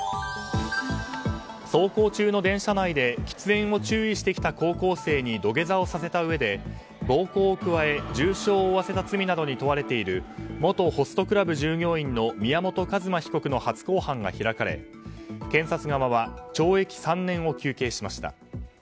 走行中の電車内で喫煙を注意してきた高校生に土下座をさせたうえで暴行を加え重傷を負わせた罪などに問われている元ホストクラブ従業員の宮本一馬被告の初公判が開かれ、検察側は懲役３年を求刑しました。